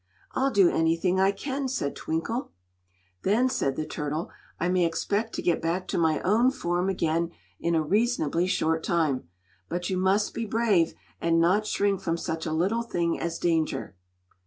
"I'll do anything I can," said Twinkle. "Then," said the turtle, "I may expect to get back to my own form again in a reasonably short time. But you must be brave, and not shrink from such a little thing as danger."